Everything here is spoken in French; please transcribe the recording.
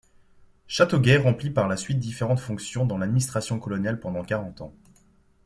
Châteauguay remplit par la suite différente fonctions dans l'administration coloniale pendant quarante ans.